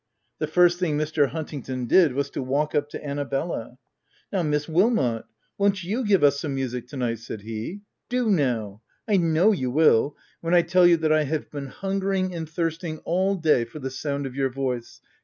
The first thing Mr. Huntingdon did, was to walk up to Annabella :— "Now, Miss Wilmot, won't you give us some music to night ?" said he. w Do now ! I know you will, when I tell you that I have been hungering and thirsting all day, for the sound of your voice.